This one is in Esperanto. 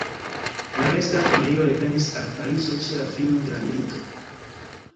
La resta familio revenis al Parizo ĉe la fino de la milito.